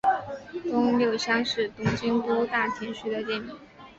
东六乡是东京都大田区的町名。